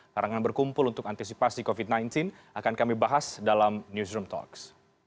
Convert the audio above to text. larangan berkumpul untuk antisipasi covid sembilan belas akan kami bahas dalam newsroom talks